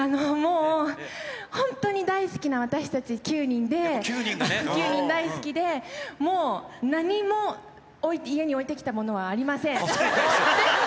もう、本当に大好きな、私たち９人で、９人大好きで、もう何も家に置いてきたものはありません。